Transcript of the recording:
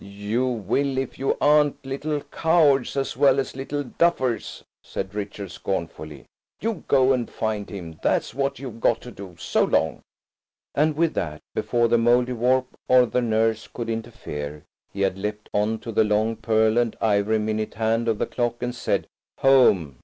"You will if you aren't little cowards as well as little duffers," said Richard scornfully. "You go and find him, that's what you've got to do. So long!" And with that, before the Mouldiwarp or the nurse could interfere, he had leapt on to the long pearl and ivory minute hand of the clock and said, "Home!"